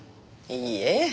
いいえ。